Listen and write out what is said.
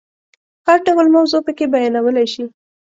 هر ډول موضوع پکې بیانولای شي.